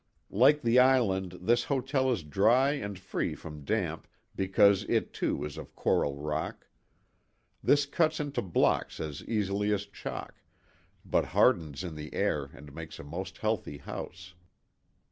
Like the island this hotel is dry and free from damp because it too is of coral rock ; this cuts into blocks as easily as chalk, but hardens in the air and makes a most healthy house.